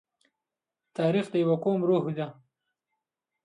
تاریخ د یوه قوم روح دی.